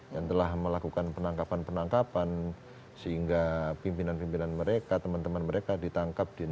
yang telah melakukan penangkapan penangkapan sehingga pimpinan pimpinan mereka teman teman mereka ditangkap